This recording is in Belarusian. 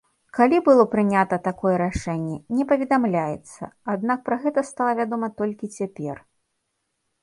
Калі было прынята такое рашэнне не паведамляецца, аднак пра гэта стала вядома толькі цяпер.